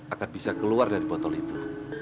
agar bisa keluar dari botol itu